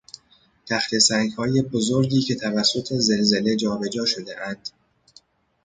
تخته سنگهای بزرگی که توسط زلزله جا به جا شدهاند